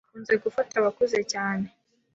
ikunze gufata abakuze cyane